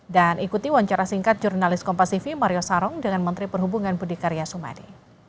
dan ikuti wawancara singkat jurnalis kompasivi mario sarong dengan menteri perhubungan budi karya sumadi